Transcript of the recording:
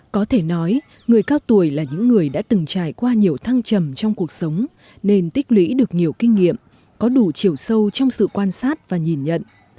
có thể nói người cao tuổi là những người đã từng trải qua nhiều thăng trầm trong cuộc sống nên tích lũy được nhiều kinh nghiệm có đủ chiều sâu trong sự quan sát và nhìn nhận